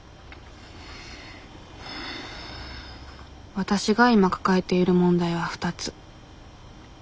わたしが今抱えている問題は２つ。